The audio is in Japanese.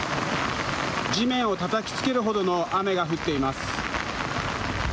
地面をたたきつけるほどの雨が降っています。